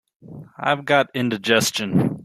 I've got indigestion.